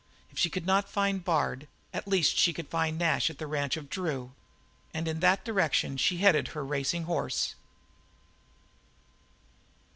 If she could not find Bard at least she could find Nash at the ranch of Drew, and in that direction she headed her racing horse.